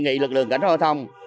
đề nghị lực lượng cảnh hóa thông